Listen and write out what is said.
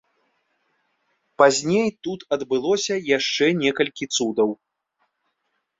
Пазней тут адбылося яшчэ некалькі цудаў.